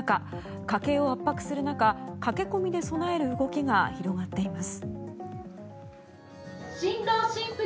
家計を圧迫する中駆け込みで備える動きが広がっています。